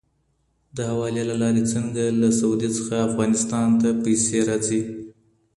د حوالې له لارې څنګه له سعودي څخه افغانستان ته پیسې راځي؟